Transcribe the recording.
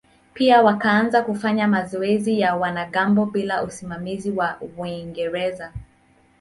Pia wakaanza kufanya mazoezi ya wanamgambo bila usimamizi wa Waingereza.